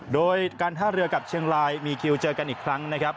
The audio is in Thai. โดยการท่าเรือกับเชียงรายมีคิวเจอกันอีกครั้งนะครับ